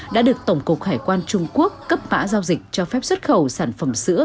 đã được tổng cục hải quan trung quốc cấp mã giao dịch cho phép xuất khẩu sản phẩm sữa